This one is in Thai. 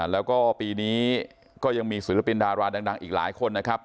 แล้วก็ปีนี้ก็ยังมีศิลปินดาราดังอีกหลายคนนะครับ